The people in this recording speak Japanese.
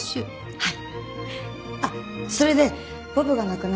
はい。